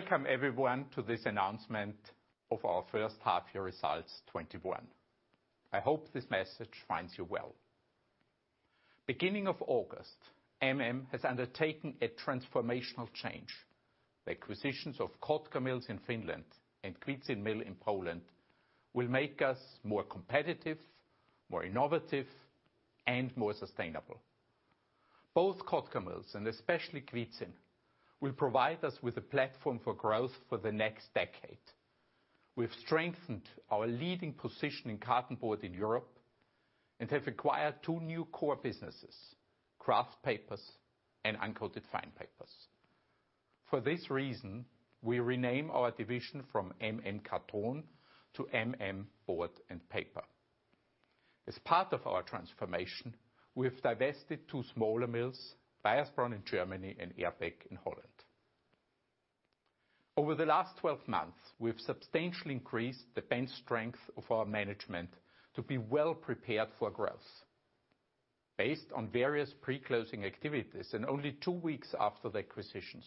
Welcome everyone to this announcement of our first half year results 2021. I hope this message finds you well. Beginning of August, MM has undertaken a transformational change. The acquisitions of Kotkamills in Finland and Kwidzyn mill in Poland will make us more competitive, more innovative, and more sustainable. Both Kotkamills and especially Kwidzyn will provide us with a platform for growth for the next decade. We've strengthened our leading position in cartonboard in Europe, and have acquired two new core businesses, kraft papers and uncoated fine papers. For this reason, we rename our division from MM Karton to MM Board & Paper. As part of our transformation, we have divested two smaller mills, Baiersbronn in Germany and Eerbeek in Holland. Over the last 12 months, we've substantially increased the bench strength of our management to be well prepared for growth. Based on various pre-closing activities and only two weeks after the acquisitions,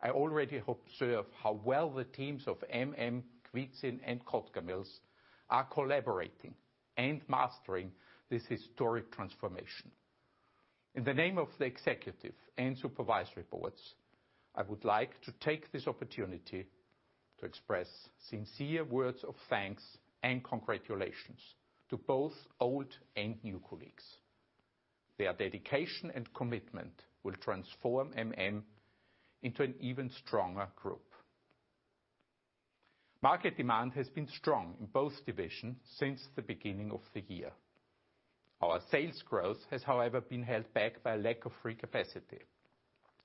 I already observe how well the teams of MM, Kwidzyn, and Kotkamills are collaborating and mastering this historic transformation. In the name of the executive and supervisory boards, I would like to take this opportunity to express sincere words of thanks and congratulations to both old and new colleagues. Their dedication and commitment will transform MM into an even stronger group. Market demand has been strong in both divisions since the beginning of the year. Our sales growth has, however, been held back by a lack of free capacity.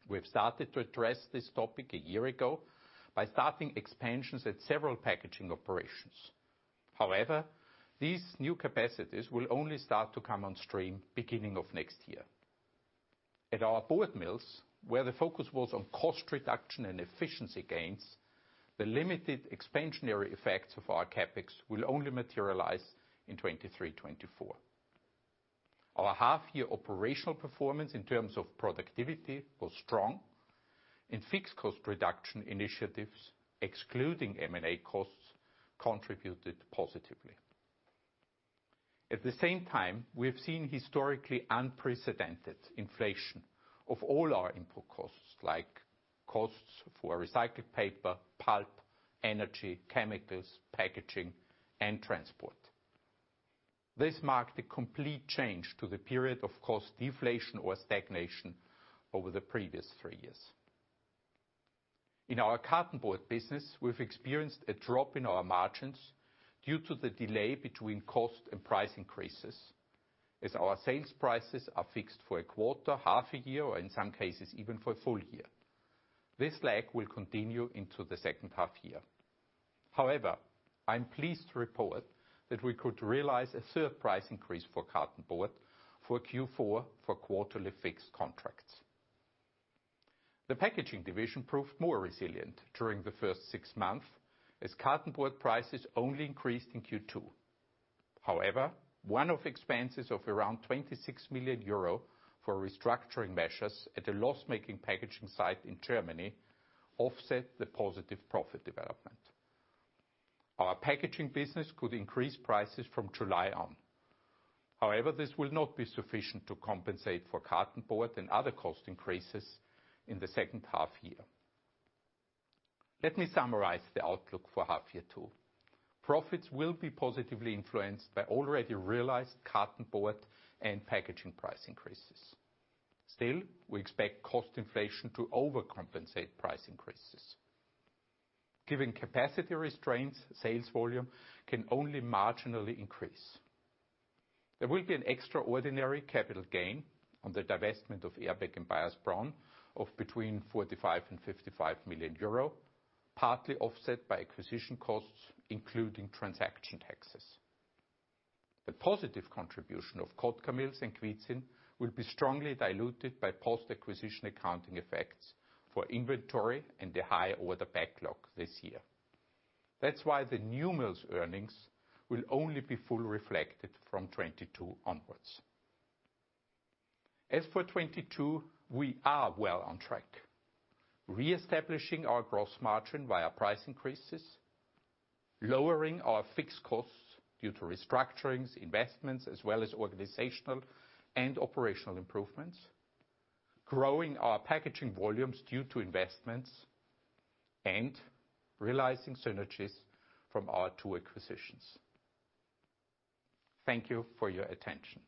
We have started to address this topic a year ago by starting expansions at several packaging operations. However, these new capacities will only start to come on stream beginning of next year. At our board mills, where the focus was on cost reduction and efficiency gains, the limited expansionary effects of our CapEx will only materialize in 2023, 2024. Our half-year operational performance in terms of productivity was strong, and fixed cost reduction initiatives, excluding M&A costs, contributed positively. At the same time, we have seen historically unprecedented inflation of all our input costs, like costs for recycled paper, pulp, energy, chemicals, packaging, and transport. This marked a complete change to the period of cost deflation or stagnation over the previous three years. In our cartonboard business, we've experienced a drop in our margins due to the delay between cost and price increases, as our sales prices are fixed for a quarter, half a year, or in some cases even for a full year. This lag will continue into the second half year. However, I'm pleased to report that we could realize a third price increase for cartonboard for Q4 for quarterly fixed contracts. The packaging division proved more resilient during the first six months, as cartonboard prices only increased in Q2. However, one-off expenses of around 26 million euro for restructuring measures at a loss-making packaging site in Germany offset the positive profit development. Our packaging business could increase prices from July on. However, this will not be sufficient to compensate for cartonboard and other cost increases in the second half year. Let me summarize the outlook for half year two. Profits will be positively influenced by already realized cartonboard and packaging price increases. Still, we expect cost inflation to overcompensate price increases. Given capacity restraints, sales volume can only marginally increase. There will be an extraordinary capital gain on the divestment of Eerbeek and Baiersbronn of between 45 million and 55 million euro, partly offset by acquisition costs, including transaction taxes. The positive contribution of Kotkamills and Kwidzyn will be strongly diluted by post-acquisition accounting effects for inventory and the high order backlog this year. That's why the new mills' earnings will only be fully reflected from 2022 onwards. As for 2022, we are well on track, reestablishing our gross margin via price increases, lowering our fixed costs due to restructurings, investments, as well as organizational and operational improvements, growing our packaging volumes due to investments, and realizing synergies from our two acquisitions. Thank you for your attention.